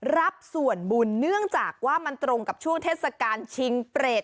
รับส่วนบุญเนื่องจากว่ามันตรงกับช่วงเทศกาลชิงเปรต